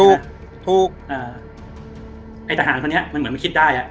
ถูกถูกอ่าไอ้ทหารพวกเนี้ยมันเหมือนไม่คิดได้อ่ะ